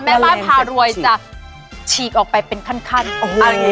แม่บ้าพารวยจะฉีกออกไปเป็นขั้นอ่อโอ้โห